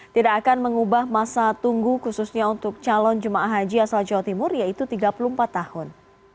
tidak akan mengubah masa tunggu khususnya untuk calon jemaah haji asal jawa timur yaitu tiga puluh empat tahun